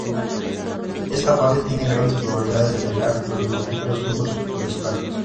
Esta fase tiene grandes probabilidades de generar los mortíferos flujos piroclásticos.